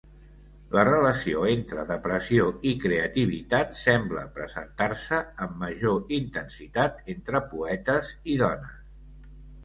La relació entre depressió i creativitat sembla presentar-se amb major intensitat entre poetes i dones.